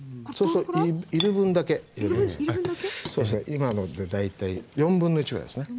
今ので大体1/4ぐらいですね。